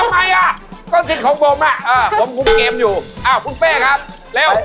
อ้าวทำไมอะต้องคิดของผมนะอ้าวผมคุ้มเกมอยู่คุณเป๊ะครับเร็ว